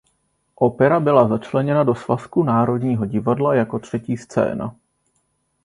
Opera byla začleněna do svazku Národního divadla jako třetí scéna.